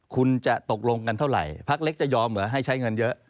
คุณจะตกลงกันเท่าไหร่พักเล็กจะยอมเหรอให้ใช้เงินเยอะ